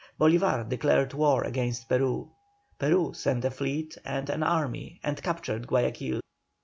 Bolívar declared war against Peru. Peru sent a fleet and an army and captured Guayaquil.